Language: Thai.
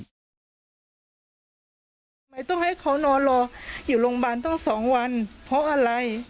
ทำไมต้องให้เขานอนรออยู่โรงพยาบาลต้อง๒วันเพราะอะไร